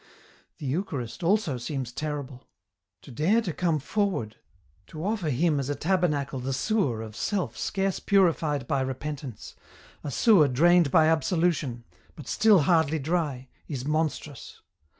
"The Eucharist also seems terrible. To dare to come forward, to offer Him as a tabernacle the sewer of self scarce purified by repentance, a sewer drained by absolution, but still hardly dry, is monstrous.